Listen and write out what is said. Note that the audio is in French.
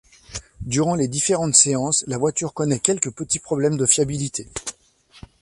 Durant les différentes séances, la voiture connaît quelques petits problèmes de fiabilité.